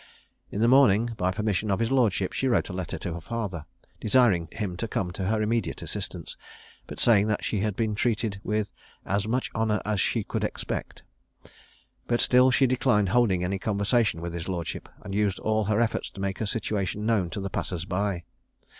In the morning, by permission of his lordship, she wrote a letter to her father, desiring him to come to her immediate assistance, but saying that she had been treated with "as much honour as she could expect;" but she still declined holding any conversation with his lordship, and used all her efforts to make her situation known to the passers by.